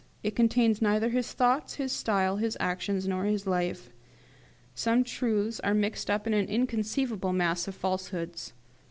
It contains neither his thoughts, his style, his actions, nor his life. Some truths are mixed up with an inconceivable mass of falsehoods.